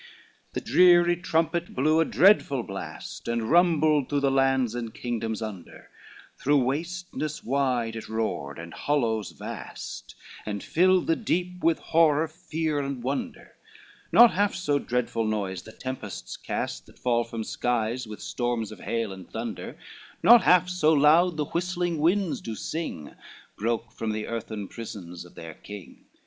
III The dreary trumpet blew a dreadful blast, And rumbled through the lands and kingdoms under, Through wasteness wide it roared, and hollows vast, And filled the deep with horror, fear and wonder, Not half so dreadful noise the tempests cast, That fall from skies with storms of hail and thunder, Not half so loud the whistling winds do sing, Broke from the earthen prisons of their King.